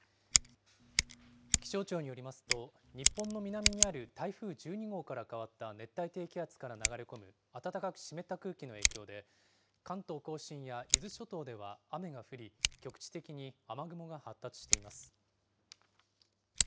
気象庁によりますと、日本の南にある台風１２号から変わった熱帯低気圧から流れ込む暖かく湿った空気の影響で、関東甲信や伊豆諸島では雨が降り、局地的に雨雲が発達しています。